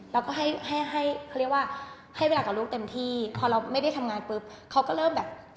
แล้วก็ให้เวลากับลูกเต็มที่พอเราไม่ได้ทำงานปุ๊บเขาก็เริ่มแบบ